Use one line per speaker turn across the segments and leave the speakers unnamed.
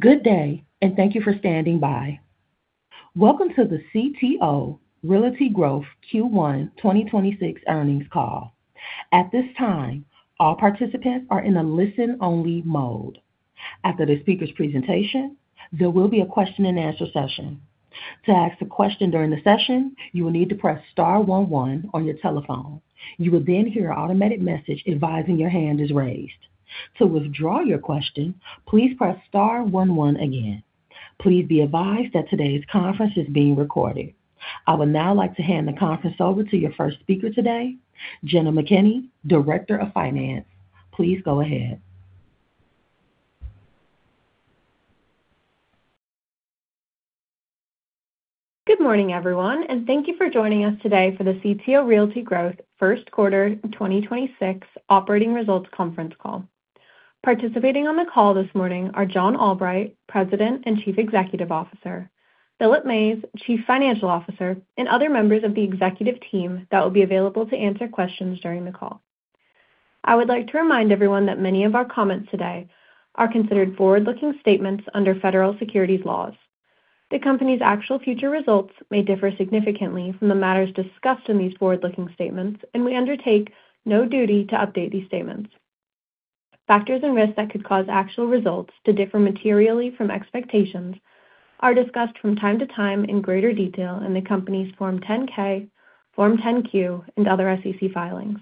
Good day and thank you for standing by. Welcome to the CTO Realty Growth Q1 2026 earnings call. At this time all participants are in a listen-only mode. After the speaker's presentation there will be a question-and-answer session. To ask a question during the session you will press star one one on your telephone. You will then hear automatic message advising your hand is raised. To withdraw your question please press star one one again. Please be advised that today's conference is being recorded. I would now like to hand the conference over to your first speaker today, Jenna McKinney, Director of Finance. Please go ahead.
Good morning, everyone, and thank you for joining us today for the CTO Realty Growth First Quarter 2026 operating results conference call. Participating on the call this morning are John Albright, President and Chief Executive Officer; Philip Mays, Chief Financial Officer; and other members of the executive team that will be available to answer questions during the call. I would like to remind everyone that many of our comments today are considered forward-looking statements under Federal Securities laws. The company's actual future results may differ significantly from the matters discussed in these forward-looking statements, and we undertake no duty to update these statements. Factors and risks that could cause actual results to differ materially from expectations are discussed from time to time in greater detail in the company's Form 10-K, Form 10-Q, and other SEC filings.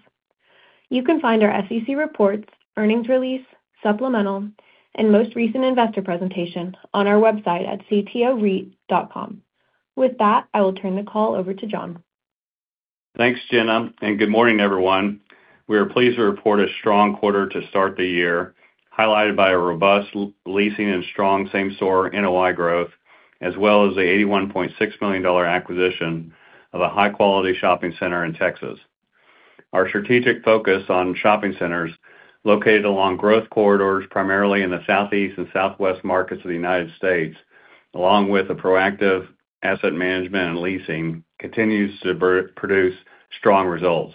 You can find our SEC reports, earnings release, supplemental, and most recent investor presentation on our website at ctoreit.com. With that, I will turn the call over to John.
Thanks, Jenna. Good morning, everyone. We are pleased to report a strong quarter to start the year, highlighted by a robust leasing and strong same-store NOI growth, as well as the $81.6 million acquisition of a high-quality shopping center in Texas. Our strategic focus on shopping centers located along growth corridors, primarily in the Southeast and Southwest markets of the United States, along with a proactive asset management and leasing, continues to produce strong results.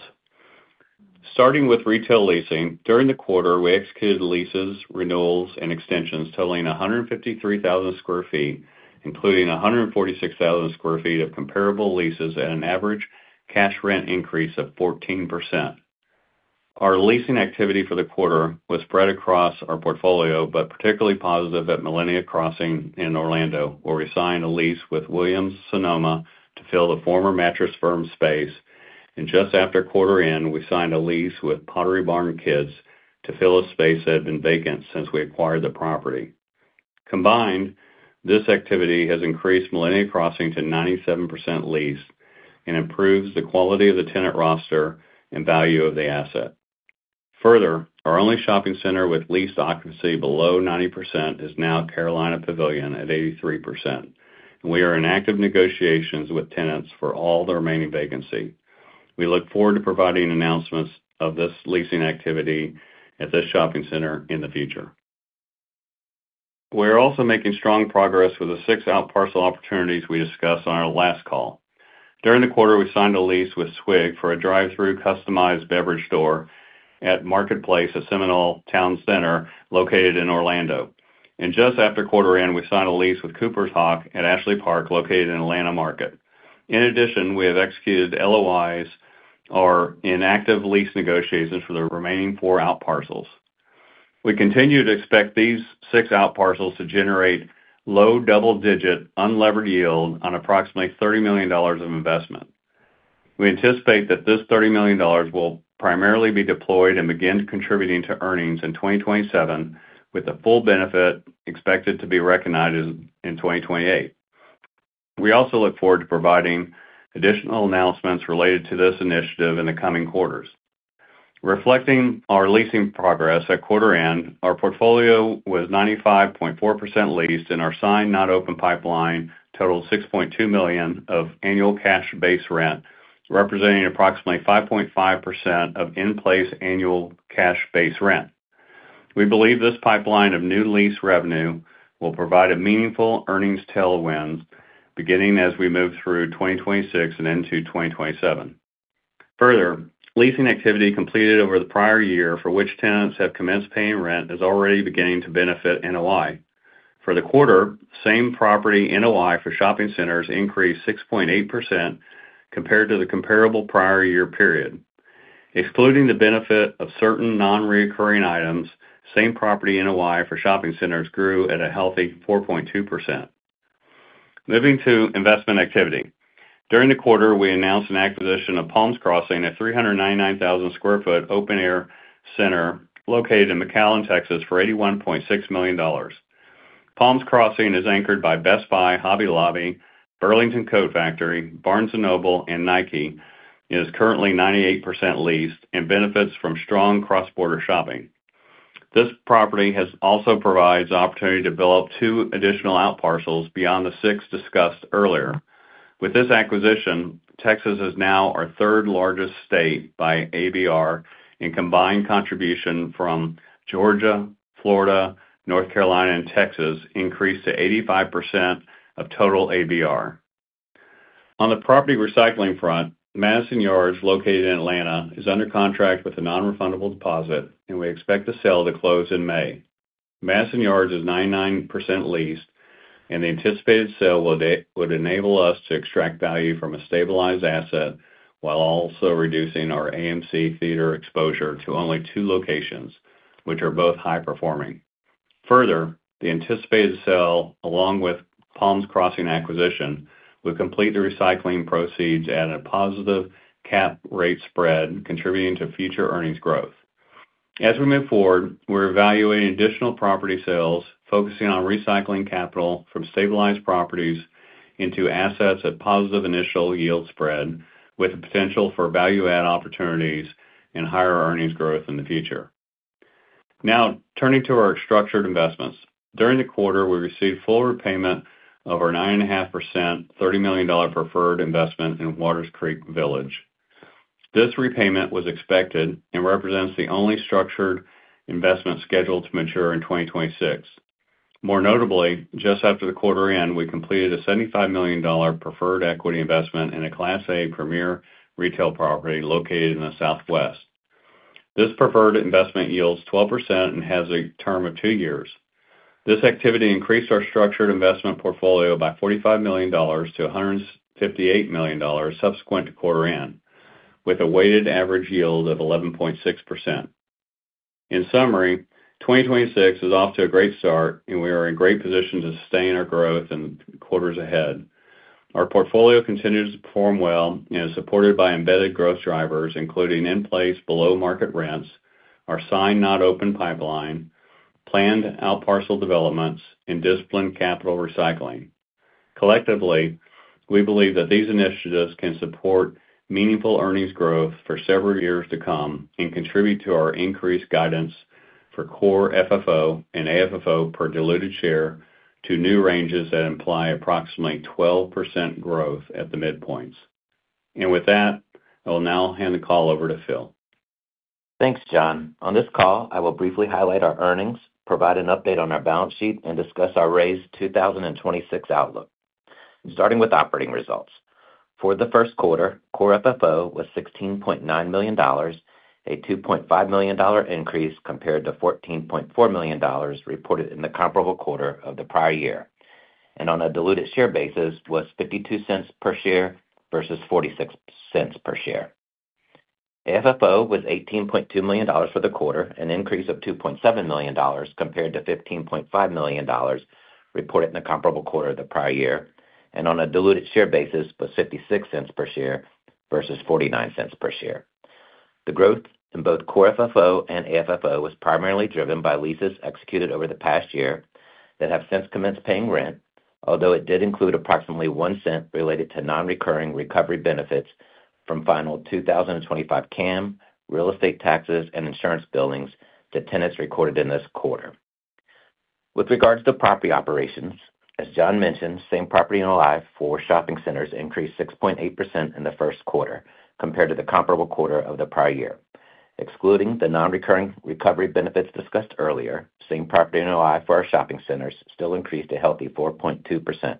Starting with retail leasing, during the quarter, we executed leases, renewals, and extensions totaling 153,000 sq ft, including 146,000 sq ft of comparable leases at an average cash rent increase of 14%. Our leasing activity for the quarter was spread across our portfolio, particularly positive at Millenia Crossing in Orlando, where we signed a lease with Williams-Sonoma to fill the former Mattress Firm space, and just after quarter end, we signed a lease with Pottery Barn Kids to fill a space that had been vacant since we acquired the property. Combined, this activity has increased Millenia Crossing to 97% leased and improves the quality of the tenant roster and value of the asset. Further, our only shopping center with leased occupancy below 90% is now Carolina Pavilion at 83%. We are in active negotiations with tenants for all the remaining vacancy. We look forward to providing announcements of this leasing activity at this shopping center in the future. We're also making strong progress with the six outparcel opportunities we discussed on our last call. During the quarter, we signed a lease with Swig for a drive-through customized beverage store at Marketplace at Seminole Towne Center located in Orlando. Just after quarter end, we signed a lease with Cooper's Hawk at Ashley Park, located in Atlanta market. In addition, we have executed LOIs or inactive lease negotiations for the remaining four outparcels. We continue to expect these six outparcels to generate low double-digit unlevered yield on approximately $30 million of investment. We anticipate that this $30 million will primarily be deployed and begin contributing to earnings in 2027, with the full benefit expected to be recognized in 2028. We also look forward to providing additional announcements related to this initiative in the coming quarters. Reflecting our leasing progress at quarter end, our portfolio was 95.4% leased, and our signed not open pipeline totaled $6.2 million of annual cash base rent, representing approximately 5.5% of in-place annual cash base rent. We believe this pipeline of new lease revenue will provide a meaningful earnings tailwind beginning as we move through 2026 and into 2027. Further, leasing activity completed over the prior year for which tenants have commenced paying rent is already beginning to benefit NOI. For the quarter, same property NOI for shopping centers increased 6.8% compared to the comparable prior year period. Excluding the benefit of certain non-recurring items, same property NOI for shopping centers grew at a healthy 4.2%. Moving to investment activity. During the quarter, we announced an acquisition of Palms Crossing, a 399,000 sq ft open-air center located in McAllen, Texas for $81.6 million. Palms Crossing is anchored by Best Buy, Hobby Lobby, Burlington, Barnes & Noble, and Nike. It is currently 98% leased and benefits from strong cross-border shopping. This property also provides the opportunity to build up two additional outparcels beyond the six discussed earlier. With this acquisition, Texas is now our third-largest state by ABR, and combined contribution from Georgia, Florida, North Carolina, and Texas increased to 85% of total ABR. On the property recycling front, Madison Yards, located in Atlanta, is under contract with a nonrefundable deposit, and we expect the sale to close in May. Madison Yards is 99% leased. The anticipated sale will enable us to extract value from a stabilized asset while also reducing our AMC Theaters exposure to only two locations, which are both high performing. Further, the anticipated sale, along with Palms Crossing acquisition, will complete the recycling proceeds at a positive cap rate spread, contributing to future earnings growth. As we move forward, we're evaluating additional property sales, focusing on recycling capital from stabilized properties into assets at positive initial yield spread, with the potential for value-add opportunities and higher earnings growth in the future. Now turning to our structured investments. During the quarter, we received full repayment of our 9.5%, $30 million preferred investment in Watters Creek Village. This repayment was expected and represents the only structured investment scheduled to mature in 2026. More notably, just after the quarter end, we completed a $75 million preferred equity investment in a Class A premier retail property located in the Southwest. This preferred investment yields 12% and has a term of two years. This activity increased our structured investment portfolio by $45 million to $158 million subsequent to quarter end, with a weighted average yield of 11.6%. In summary, 2026 is off to a great start, we are in great position to sustain our growth in quarters ahead. Our portfolio continues to perform well and is supported by embedded growth drivers, including in place below-market rents, our sign-not-open pipeline, planned out parcel developments, and disciplined capital recycling. Collectively, we believe that these initiatives can support meaningful earnings growth for several years to come and contribute to our increased guidance for Core FFO and AFFO per diluted share to new ranges that imply approximately 12% growth at the midpoints. With that, I will now hand the call over to Phil.
Thanks, John. On this call, I will briefly highlight our earnings, provide an update on our balance sheet, and discuss our raised 2026 outlook. Starting with operating results. For the first quarter, Core FFO was $16.9 million, a $2.5 million increase compared to $14.4 million reported in the comparable quarter of the prior year. On a diluted share basis was $0.52 per share versus $0.46 per share. AFFO was $18.2 million for the quarter, an increase of $2.7 million compared to $15.5 million reported in the comparable quarter of the prior year. On a diluted share basis was $0.56 per share versus $0.49 per share. The growth in both Core FFO and AFFO was primarily driven by leases executed over the past year that have since commenced paying rent, although it did include approximately $0.01 related to non-recurring recovery benefits from final 2025 CAM, real estate taxes, and insurance billings to tenants recorded in this quarter. With regards to property operations, as John Albright mentioned, same-property NOI for shopping centers increased 6.8% in the first quarter compared to the comparable quarter of the prior year. Excluding the non-recurring recovery benefits discussed earlier, same-property NOI for our shopping centers still increased a healthy 4.2%.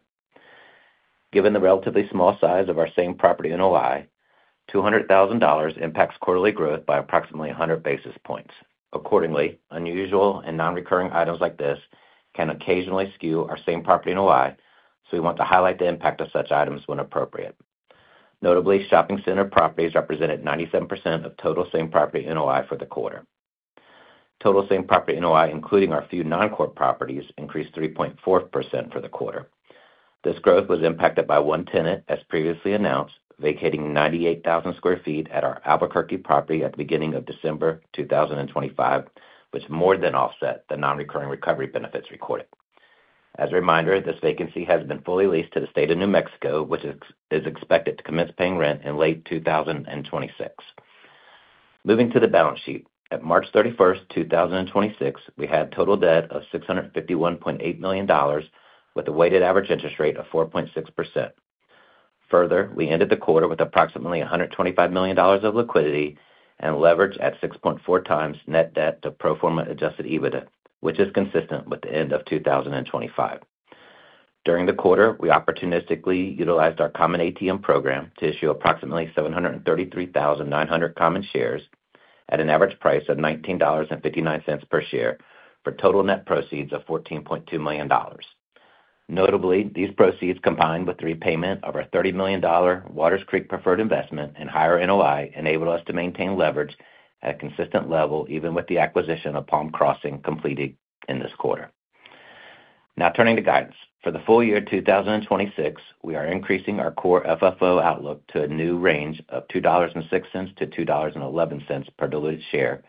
Given the relatively small size of our same-property NOI, $200,000 impacts quarterly growth by approximately 100 basis points. Accordingly, unusual and non-recurring items like this can occasionally skew our same-property NOI, so we want to highlight the impact of such items when appropriate. Notably, shopping center properties represented 97% of total same-property NOI for the quarter. Total same-property NOI, including our few non-core properties, increased 3.4% for the quarter. This growth was impacted by 1 tenant, as previously announced, vacating 98,000 sq ft at our Albuquerque property at the beginning of December 2025, which more than offset the non-recurring recovery benefits recorded. As a reminder, this vacancy has been fully leased to the State of New Mexico, which is expected to commence paying rent in late 2026. Moving to the balance sheet. At March 31, 2026, we had total debt of $651.8 million with a weighted average interest rate of 4.6%. We ended the quarter with approximately $125 million of liquidity and leverage at 6.4x net debt to pro forma adjusted EBITDA, which is consistent with the end of 2025. During the quarter, we opportunistically utilized our common ATM program to issue approximately 733,900 common shares at an average price of $19.59 per share for total net proceeds of $14.2 million. Notably, these proceeds, combined with repayment of our $30 million Watters Creek preferred investment and higher NOI, enabled us to maintain leverage at a consistent level, even with the acquisition of Palms Crossing completed in this quarter. Turning to guidance. For the full year 2026, we are increasing our Core FFO outlook to a new range of $2.06-$2.11 per diluted share,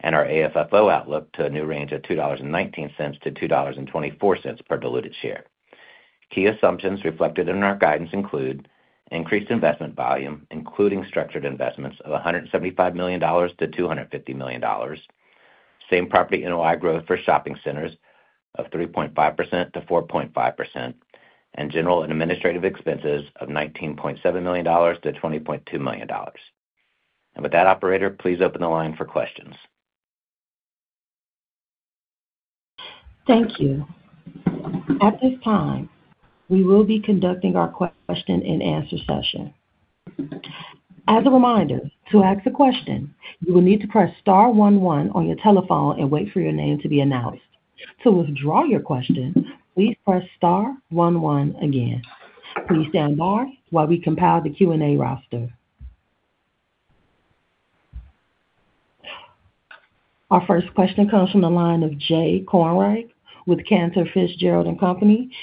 and our AFFO outlook to a new range of $2.19-$2.24 per diluted share. Key assumptions reflected in our guidance include increased investment volume, including structured investments of $175 million-$250 million, same property NOI growth for shopping centers of 3.5%-4.5%, and general and administrative expenses of $19.7 million-$20.2 million. With that, operator, please open the line for questions.
Thank you. At this time, we will be conducting our question and answer session. As a reminder, to ask a question, you will need to press star one one on your telephone and wait for your name to be announced. To withdraw your question, please press star one one again. Please stand by while we compile the Q&A roster. Our first question comes from the line of Jay Kornreich with Cantor Fitzgerald & Co.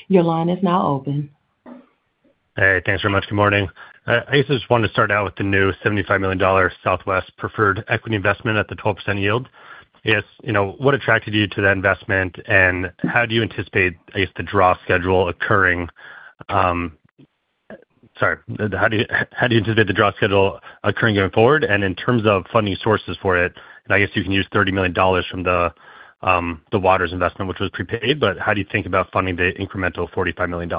Your line is now open.
Hey, thanks very much. Good morning. I guess I just wanted to start out with the new $75 million Southwest preferred equity investment at the 12% yield. I guess, you know, what attracted you to that investment, and how do you anticipate, I guess, the draw schedule occurring? Sorry. How do you anticipate the draw schedule occurring going forward? In terms of funding sources for it, and I guess you can use $30 million from the Watters investment, which was prepaid, but how do you think about funding the incremental $45 million?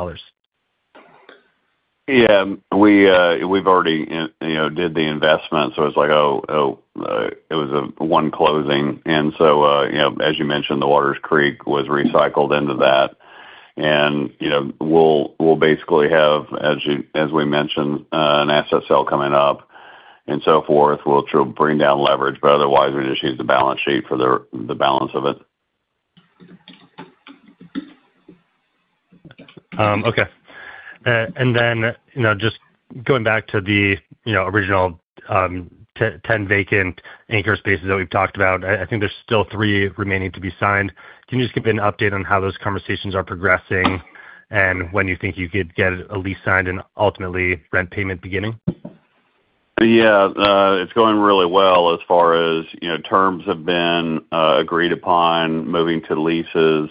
Yeah. We've already you know, did the investment, so it's like it was one closing. You know, as you mentioned, the Waters Creek was recycled into that. You know, we'll basically have, as we mentioned, an SSL coming up and so forth, which will bring down leverage, but otherwise we just use the balance sheet for the balance of it.
Okay. You know, just going back to the, you know, original 10 vacant anchor spaces that we've talked about, I think there's still three remaining to be signed. Can you just give me an update on how those conversations are progressing and when you think you could get a lease signed and ultimately rent payment beginning?
Yeah. It's going really well as far as, you know, terms have been agreed upon moving to leases.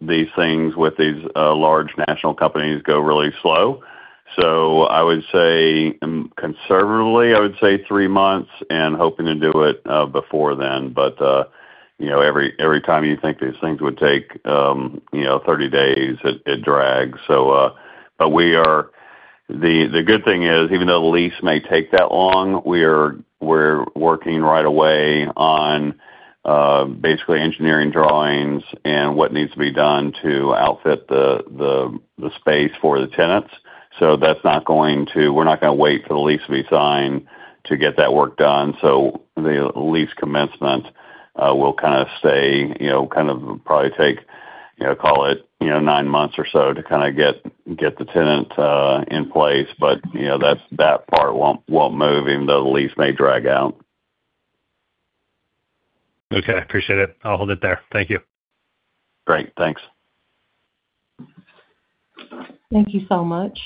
These things with these large national companies go really slow. I would say, conservatively, I would say three months and hoping to do it before then. You know, every time you think these things would take, you know, 30 days, it drags. We are, the good thing is, even though the lease may take that long, we're working right away on basically engineering drawings and what needs to be done to outfit the space for the tenants. We're not gonna wait for the lease to be signed to get that work done. The lease commencement will kind of stay, you know, kind of probably take, you know, call it, you know, nine months or so to kinda get the tenant in place. You know that part won't move even though the lease may drag out.
Okay. I appreciate it. I'll hold it there. Thank you.
Great. Thanks.
Thank you so much.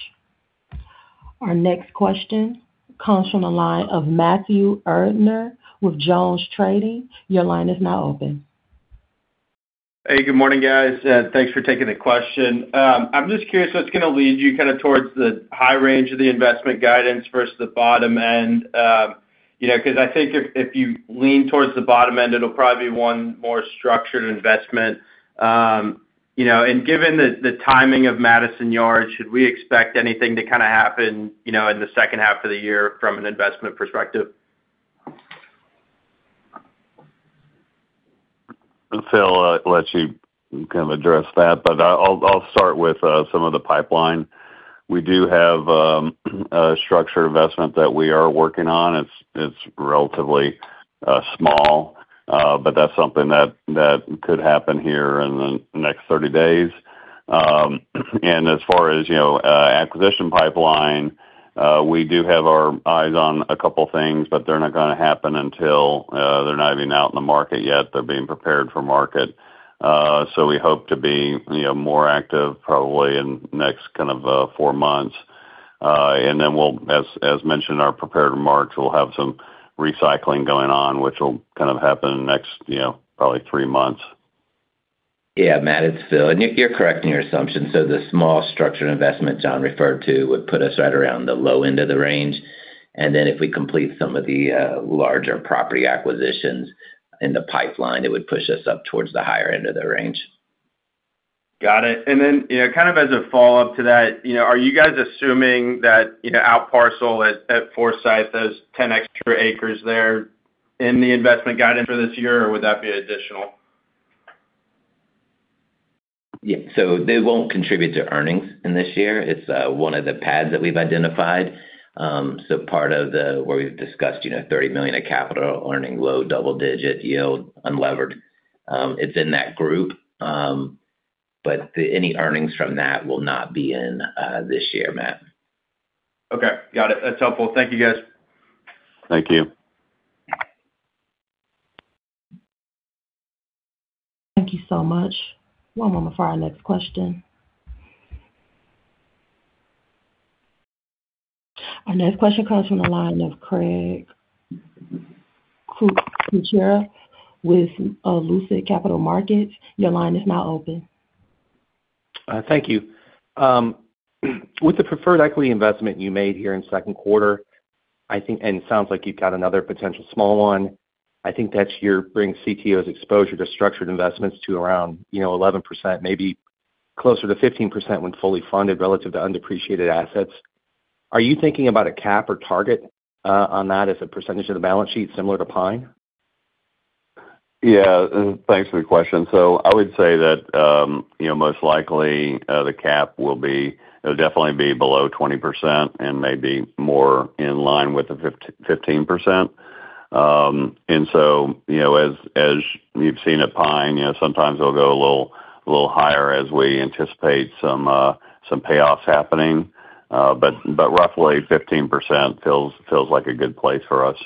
Our next question comes from the line of Matthew Erdner with JonesTrading. Your line is now open.
Hey, good morning, guys. Thanks for taking the question. I'm just curious what's gonna lead you kinda towards the high range of the investment guidance versus the bottom end. You know, 'cause I think if you lean towards the bottom end, it'll probably be one more structured investment. You know, and given the timing of Madison Yards, should we expect anything to kinda happen, you know, in the second half of the year from an investment perspective?
Phil, I'll let you kind of address that, but I'll start with some of the pipeline. We do have a structured investment that we are working on. It's relatively small, but that's something that could happen here in the next 30 days. As far as, you know, acquisition pipeline, we do have our eyes on a couple things, but they're not gonna happen until they're not even out in the market yet. They're being prepared for market. We hope to be, you know, more active probably in next kind of four months. Then we'll, as mentioned in our prepared remarks, we'll have some recycling going on, which will kind of happen in the next, you know, probably three months.
Yeah, Matt, it's Phil. You're correct in your assumption. The small structured investment John referred to would put us right around the low end of the range. If we complete some of the larger property acquisitions in the pipeline, it would push us up towards the higher end of the range.
Got it. You know, kind of as a follow-up to that, you know, are you guys assuming that, you know, out parcel at Forsyth, those 10 extra acres there in the investment guidance for this year, or would that be additional?
Yeah. They won't contribute to earnings in this year. It's one of the pads that we've identified. Where we've discussed, you know, $30 million of capital earning low double-digit yield unlevered. It's in that group. Any earnings from that will not be in this year, Matt.
Okay. Got it. That's helpful. Thank you, guys.
Thank you.
Thank you so much. One moment for our next question. Our next question comes from the line of Craig Kucera with Lucid Capital Markets. Your line is now open.
Thank you. With the preferred equity investment, you made here in second quarter, it sounds like you've got another potential small one. Brings CTO's exposure to structured investments to around, you know, 11%, maybe closer to 15% when fully funded relative to undepreciated assets. Are you thinking about a cap or target, on that as a percentage of the balance sheet similar to PINE?
Yeah. Thanks for the question. I would say that, you know, most likely, the cap will be below 20% and maybe more in line with the 15%. You know, as you've seen at Pine, you know, sometimes it'll go a little higher as we anticipate some payoffs happening. But roughly 15% feels like a good place for us.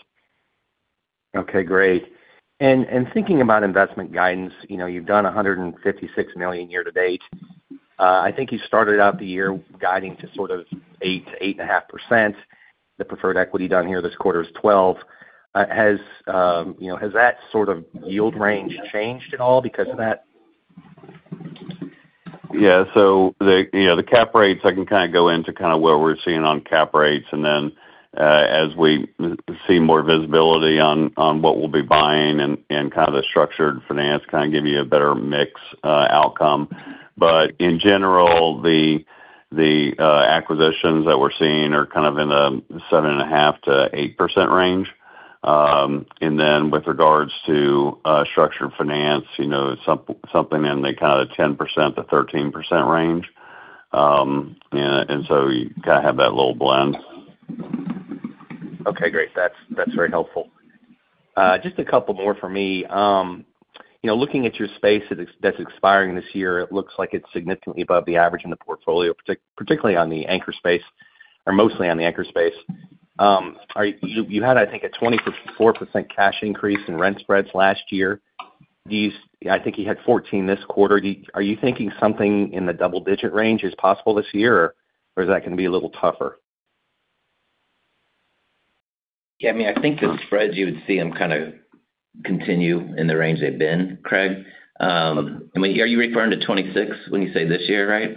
Okay, great. Thinking about investment guidance, you know, you've done $156 million year to date. I think you started out the year guiding to sort of 8%-8.5%. The preferred equity down here this quarter is 12%. You know, has that sort of yield range changed at all because of that?
Yeah, you know, the cap rates, I can kind of go into kind of where we're seeing on cap rates, as we see more visibility on what we'll be buying and kind of the structured finance kind of give you a better mix outcome. In general, the acquisitions that we're seeing are kind of in a 7.5%-8% range. With regards to structured finance, you know, something in the kind of 10%-13% range. You kind of have that little blend.
Okay, great. That's very helpful. Just a couple more for me. You know, looking at your space that's expiring this year, it looks like it's significantly above the average in the portfolio, particularly on the anchor space or mostly on the anchor space. You had I think a 24% cash increase in rent spreads last year. I think you had 14 this quarter. Are you thinking something in the double-digit range is possible this year, or is that gonna be a little tougher?
Yeah. I mean, I think the spreads, you would see them kind of continue in the range they've been, Craig. I mean, are you referring to 26 when you say this year, right?
Yeah,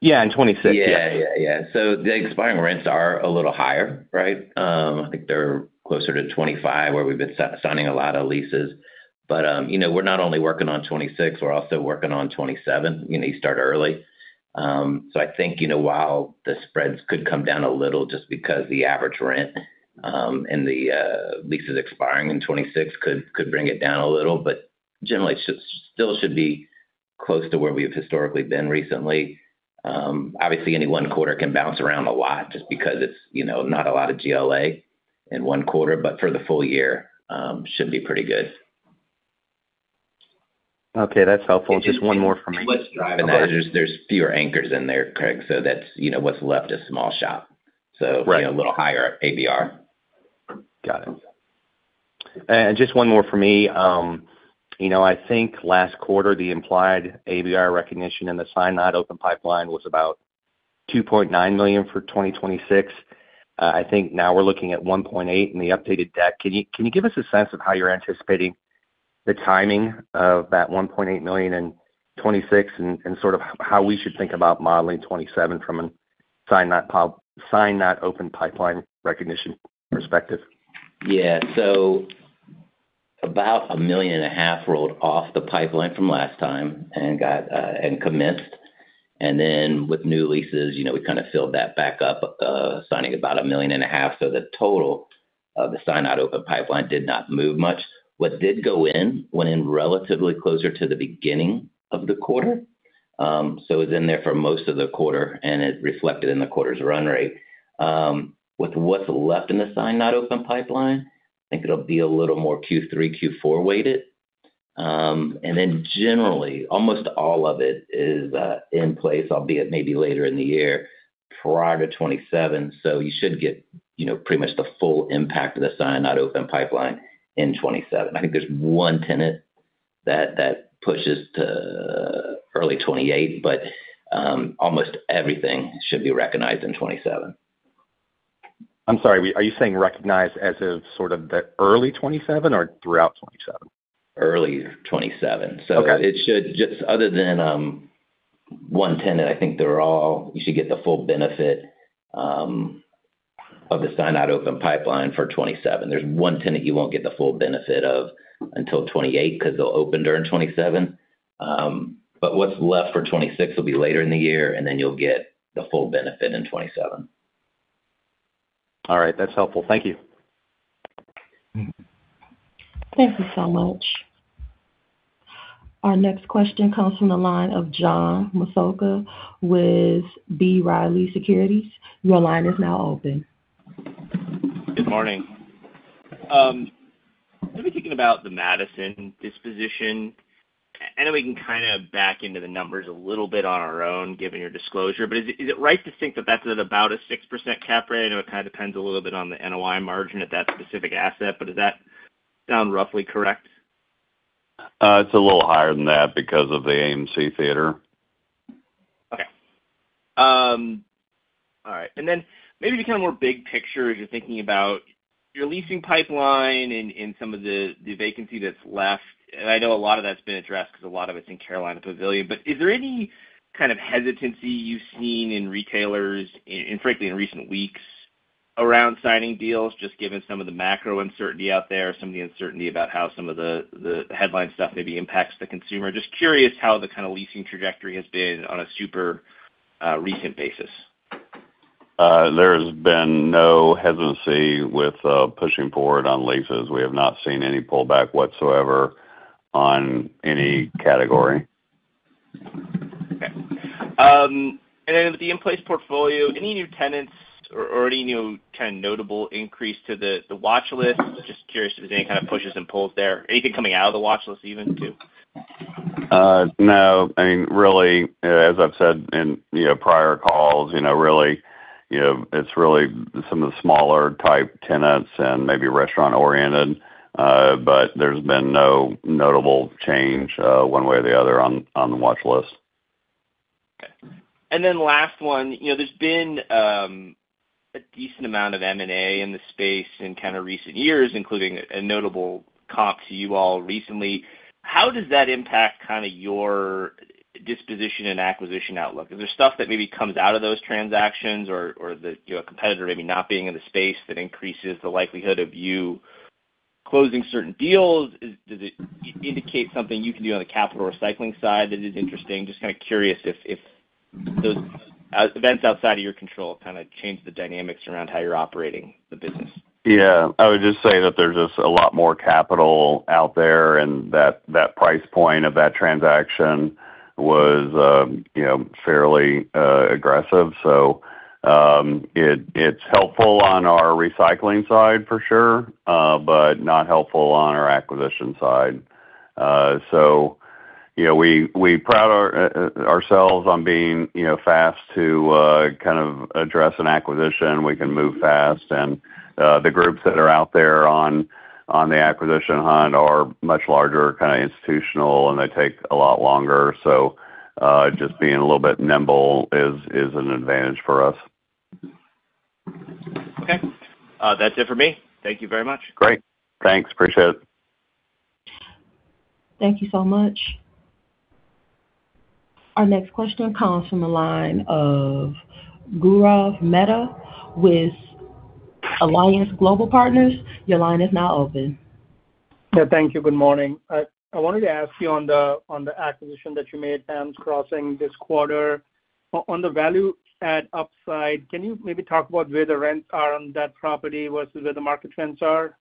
in 2026. Yeah.
Yeah, yeah. The expiring rents are a little higher, right? I think they're closer to 2025, where we've been signing a lot of leases. You know, we're not only working on 2026, but we're also working on 2027. You know, you start early. I think, you know, while the spreads could come down a little just because the average rent, and the leases expiring in 2026 could bring it down a little, but generally it still should be close to where we've historically been recently. Obviously any one quarter can bounce around a lot just because it's, you know, not a lot of GLA in one quarter, but for the full year, should be pretty good.
Okay, that's helpful. Just one more for me.
What's driving that is there's fewer anchors in there, Craig, so that's, you know, what's left is small shop.
Right
You know, a little higher ABR.
Got it. Just one more for me. you know, I think last quarter the implied ABR recognition in the signed not open pipeline was about $2.9 million for 2026. I think now we're looking at $1.8 million in the updated deck. Can you give us a sense of how you're anticipating the timing of that $1.8 million in 2026 and sort of how we should think about modeling 2027 from a signed not open pipeline recognition perspective?
About a million and a half rolled off the pipeline from last time and got and commenced. With new leases, you know, we kind of filled that back up, signing about a million and a half. The total of the signed not open pipeline did not move much. What did go in, went in relatively closer to the beginning of the quarter. It was in there for most of the quarter and it reflected in the quarter's run rate. With what's left in the signed not open pipeline, I think it'll be a little more Q3, Q4 weighted. Generally almost all of it is in place, albeit maybe later in the year prior to 2027. You should get, you know, pretty much the full impact of the signed not open pipeline in 2027. I think there's one tenant that pushes to early 2028, but almost everything should be recognized in 2027.
I'm sorry, are you saying recognized as of sort of the early 2027 or throughout 2027?
Early 2027.
Okay.
Other than one tenant, you should get the full benefit of the signed not open pipeline for 2027. There's one tenant you won't get the full benefit of until 2028 because they'll open during 2027. What's left for 2026 will be later in the year, and then you'll get the full benefit in 2027.
All right. That's helpful. Thank you.
Thank you so much. Our next question comes from the line of John Massocca with B. Riley Securities. Your line is now open.
Good morning. I've been thinking about the Madison disposition. I know we can kind of back into the numbers a little bit on our own given your disclosure, is it right to think that that's at about a 6% cap rate? I know it kind of depends a little bit on the NOI margin at that specific asset, does that sound roughly correct?
It's a little higher than that because of the AMC Theatres.
Okay. All right. Then maybe to kind of more big picture as you're thinking about your leasing pipeline and some of the vacancy that's left, and I know a lot of that's been addressed because a lot of it's in Carolina Pavilion. Is there any kind of hesitancy you've seen in retailers and frankly in recent weeks around signing deals, just given some of the macro uncertainty out there, some of the uncertainty about how some of the headline stuff maybe impacts the consumer? Just curious how the kind of leasing trajectory has been on a super recent basis.
There has been no hesitancy with pushing forward on leases. We have not seen any pullback whatsoever on any category.
Okay. With the in-place portfolio, any new tenants or any new kind of notable increase to the watch list? Just curious if there's any kind of pushes and pulls there. Anything coming out of the watch list even too?
No. I mean, really, as I've said in, you know, prior calls, you know, really, you know, it's really some of the smaller type tenants and maybe restaurant oriented. There's been no notable change one way or the other on the watch list.
Then last one, you know, there's been a decent amount of M&A in the space in kind of recent years, including a notable comp to you all recently. How does that impact kind of your disposition and acquisition outlook? Is there stuff that maybe comes out of those transactions or that, you know, a competitor maybe not being in the space that increases the likelihood of you closing certain deals? Does it indicate something you can do on the capital recycling side that is interesting? Just kind of curious if those events outside of your control kind of change the dynamics around how you're operating the business.
Yeah. I would just say that there's just a lot more capital out there, and that price point of that transaction was, you know, fairly aggressive. It's helpful on our recycling side for sure, but not helpful on our acquisition side. You know, we pride ourselves on being, you know, fast to kind of address an acquisition. We can move fast. The groups that are out there on the acquisition hunt are much larger, kind of institutional, and they take a lot longer. Just being a little bit nimble is an advantage for us.
Okay. That's it for me. Thank you very much.
Great. Thanks. Appreciate it.
Thank you so much. Our next question comes from the line of Gaurav Mehta with Alliance Global Partners. Your line is now open.
Yeah, thank you. Good morning. I wanted to ask you on the, on the acquisition that you made, Palms Crossing, this quarter. On the value-add upside, can you maybe talk about where the rents are on that property versus where the market rents are?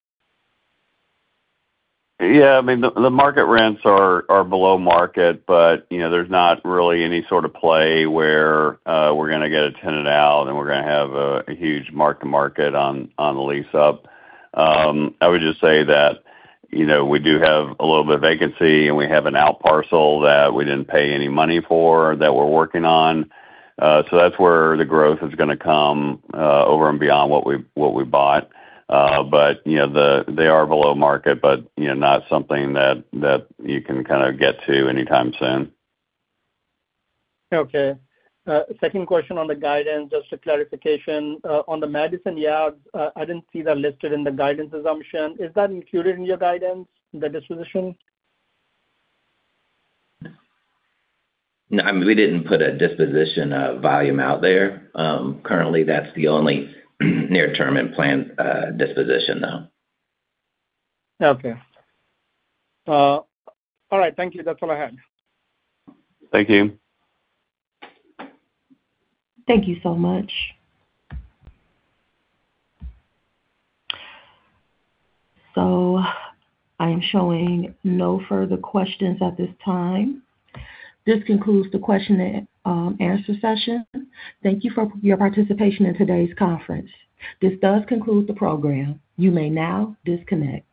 Yeah. I mean, the market rents are below market, you know, there's not really any sort of play where we're gonna get a tenant out and we're gonna have a huge mark to market on the lease-up. I would just say that, you know, we do have a little bit of vacancy, we have an out parcel that we didn't pay any money for that we're working on. That's where the growth is gonna come over and beyond what we bought. You know, they are below market, you know, not something that you can kind of get to anytime soon.
Okay. Second question on the guidance, just a clarification. On the Madison Yards, I didn't see that listed in the guidance assumption. Is that included in your guidance, the disposition?
No. I mean, we didn't put a disposition volume out there. Currently, that's the only near-term and planned disposition, though.
Okay. All right. Thank you. That's all I had.
Thank you.
Thank you so much. I am showing no further questions at this time. This concludes the question and answer session. Thank you for your participation in today's conference. This does conclude the program. You may now disconnect.